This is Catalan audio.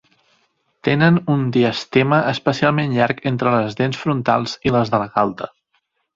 Tenen un diastema especialment llarg entre les dents frontals i les de la galta.